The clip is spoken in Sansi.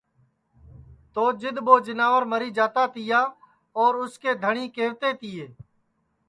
تو جِدؔ ٻو جیناور مری جاتا تیا اور اُس کے دھٹؔی کہوتے تیے